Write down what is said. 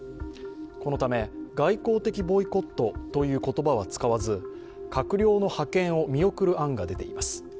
このため、外交的ボイコットという言葉は使わず、閣僚の派遣を見送る案が出ています。